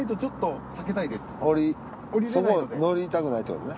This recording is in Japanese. そこ乗りたくないってことね